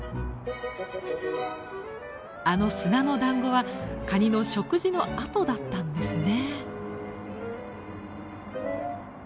あの砂のだんごはカニの食事の跡だったんですね。